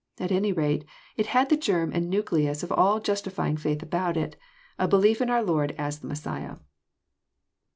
At any rate, it had the germ and nuclens of all Justifying faith about it, a belief in our Lord as the Messiah.